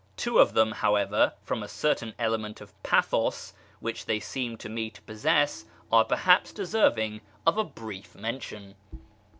Two of them, however, from a certain element of pathos which they seem to me to possess, are perhaps, deserving of a brief mention.